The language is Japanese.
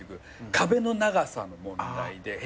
壁の長さの問題で部屋は。